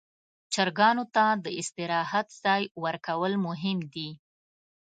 چرګانو ته د استراحت ځای ورکول مهم دي.